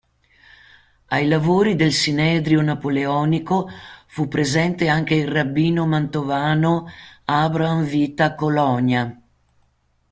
Ai lavori del Sinedrio napoleonico fu presente anche il rabbino mantovano, Abraham Vita Cologna.